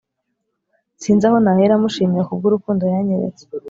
sinzi aho nahera mushimira kubw'urukundo yanyeretse